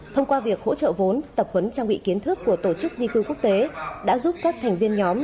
thông qua việc hỗ trợ vốn tập huấn trang bị kiến thức của tổ chức di cư quốc tế đã giúp các thành viên nhóm